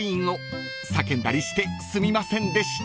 ［叫んだりしてすみませんでした］